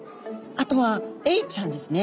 あとはエイちゃんですね。